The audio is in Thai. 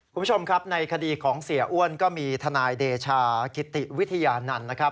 คุณผู้ชมครับในคดีของเสียอ้วนก็มีทนายเดชากิติวิทยานันต์นะครับ